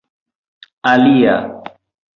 alia